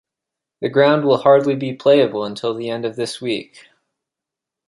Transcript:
The ground will hardly be playable until the end of this week.